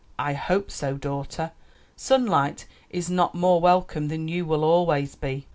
"I hope so, daughter; sunlight is not more welcome than you will always be."